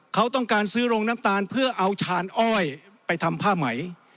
เขาต้องการซื้อโรงน้ำตาลเพื่อเอาชานอ้อยไปทำผ้าไหม